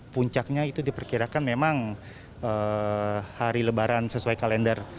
puncaknya itu diperkirakan memang hari lebaran sesuai kalender